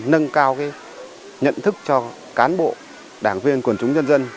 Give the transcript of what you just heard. nâng cao nhận thức cho cán bộ đảng viên quần chúng nhân dân